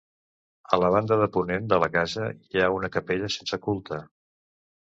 A la banda de ponent de la casa hi ha una capella sense culte.